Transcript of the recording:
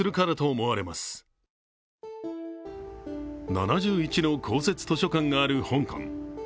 ７１の公設図書館がある香港。